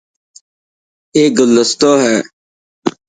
اي گلدستو هي.